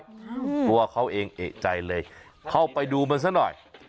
ตัวเขาเองเอกใจเลยเข้าไปดูมันซะหน่อย